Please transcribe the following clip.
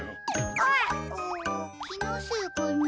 あっうんきのせいかな。